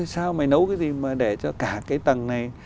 sao mà nấu cái gì mà để cho cả cái tầng này